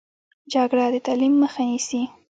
جګړه د تعلیم مخه نیسي